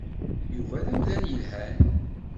Yuba d amdan yelhan.